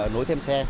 nối thêm xe